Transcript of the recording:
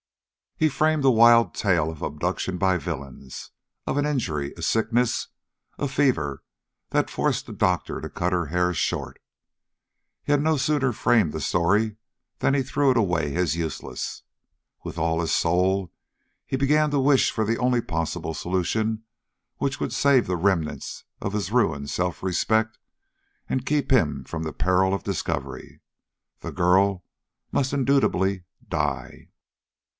He framed a wild tale of abduction by villains, of an injury, a sickness, a fever that forced a doctor to cut her hair short. He had no sooner framed the story than he threw it away as useless. With all his soul he began to wish for the only possible solution which would save the remnants of his ruined self respect and keep him from the peril of discovery. The girl must indubitably die!